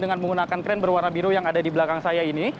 dengan menggunakan kren berwarna biru yang ada di belakang saya ini